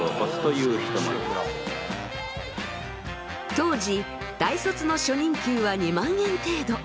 当時大卒の初任給は２万円程度。